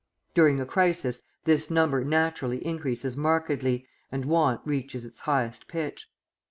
During a crisis this number naturally increases markedly, and want reaches its highest pitch.